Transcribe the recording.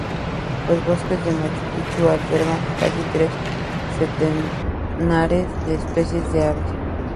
Los bosques de Machu Picchu albergan casi tres centenares de especies de aves.